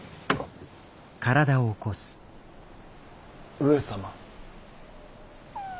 上様？